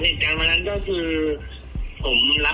ผู้ชีพเราบอกให้สุจรรย์ว่า๒